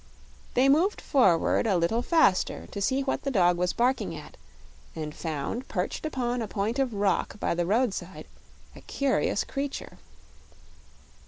They moved forward a little faster to see what the dog was barking at, and found perched upon a point of rock by the roadside a curious creature.